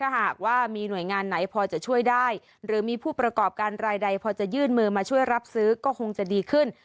หากว่ามีหน่วยงานไหนพอจะช่วยได้หรือมีผู้ประกอบการรายใดพอจะยื่นมือมาช่วยรับซื้อก็คงจะดีขึ้น